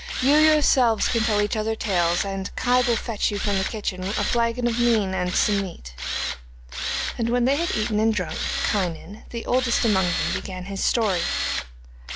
You yourselves can tell each other tales, and Kai will fetch you from the kitchen a flagon of mean and some meat.' And when they had eaten and drunk, Kynon, the oldest among them, began his story.